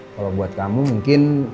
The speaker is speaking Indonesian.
kalau buat kamu mungkin